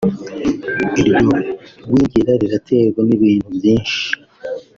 iryo gwingira riraterwa n’ibintu byinshi